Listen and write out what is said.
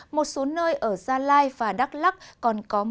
một số nơi ở gia lai và đắk lắc còn có mưa